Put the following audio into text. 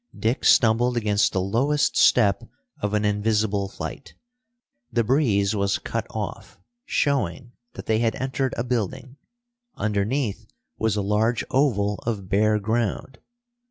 Dick stumbled against the lowest step of an invisible flight. The breeze was cut off, showing that they had entered a building. Underneath was a large oval of bare ground.